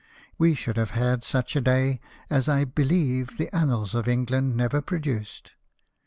We should have had such a day as, I believe, the annals of England never produced."